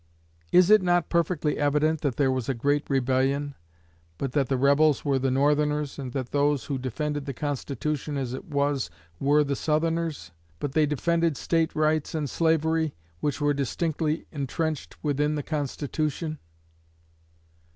Is it not perfectly evident that there was a great rebellion, but that the rebels were the Northerners and that those who defended the Constitution as it was were the Southerners; but they defended State rights and slavery, which were distinctly intrenched within the Constitution?